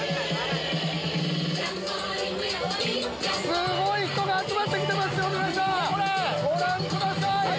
すごい人が集まってきてますよ！ご覧ください！